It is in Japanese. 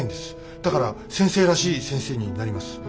だから先生らしい先生になります。